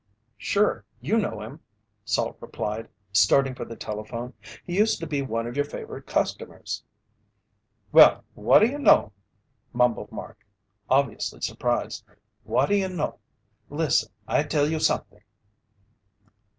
"Sure, you know him," Salt replied, starting for the telephone. "He used to be one of your favorite customers." "Well, what do y'know!" mumbled Mark, obviously surprised. "What do y'know! Listen, I tell you something!"